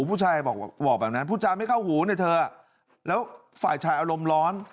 ผู้ชายบอกแบบนั้นพูดจาไม่เข้าหูเนี่ยเธอแล้วฝ่ายชายอารมณ์ร้อน